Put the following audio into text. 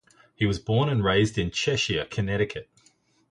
He was born and raised in Cheshire, Connecticut.